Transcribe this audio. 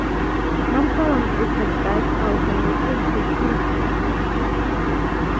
Mastodon is the best alternative to Twitter